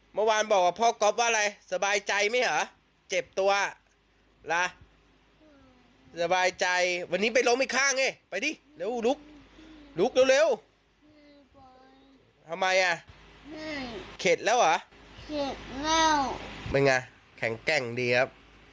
เสร็จแล้วหรอเสร็จแล้วเป็นไงแข็งแก้งดีครับ